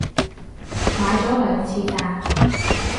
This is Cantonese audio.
買咗兩次咋